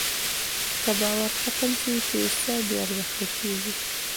که باور ختم شي، پیسه بېارزښته کېږي.